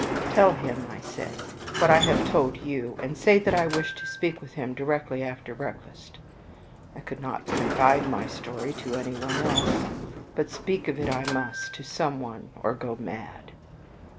"Tell him," I said, "what I have told you; and say that I wish to speak to him directly after breakfast." I could not confide my story to any one else, but speak of it I must to some one or go mad.